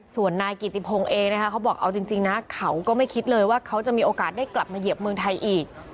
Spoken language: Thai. ส่วนนายกิติพงศ์เองนะคะเขาบอกเอาจริงนะเขาก็ไม่คิดเลยว่าเขาจะมีโอกาสได้กลับมาเหยียบเมืองไทยอีก